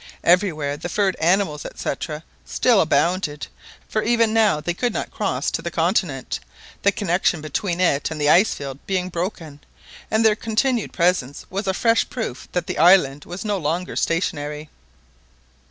Everywhere the furred animals, &c., still abounded, for even now they could not cross to the continent, the connection between it and the ice field being broken, and their continued presence was a fresh proof that the island was no longer stationary.